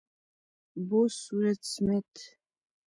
بوسورت سمیت :